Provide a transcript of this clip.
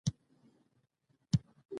هدف یې د ښځو له حقوقو څخه دفاع کول دي.